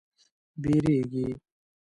بیږیږې